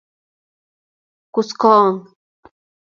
kuskong